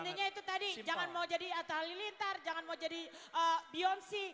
intinya itu tadi jangan mau jadi atta halilintar jangan mau jadi beyonsi